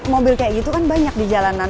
mobil kayak gitu kan banyak di jalanan